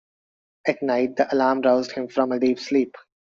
At night the alarm roused him from a deep sleep.